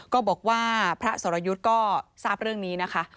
ก็บอกว่าพระสรยุทธ์ก็ทราบเรื่องนี้นะคะ